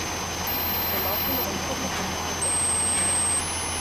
За малку не припаднав од таа глетка.